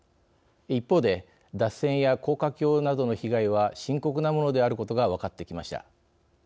一方で脱線や高架橋などの被害は深刻なものであることが分かってきました。